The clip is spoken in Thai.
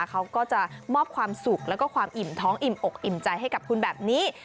เขาก็จะมอบความสุขแล้วก็ความอิ่มท้องอิ่มอกอิ่มใจให้กับคุณแบบนี้